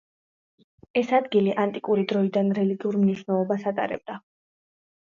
ეს ადგილი ანტიკური დროიდან რელიგიური მნიშვნელობას ატარებდა.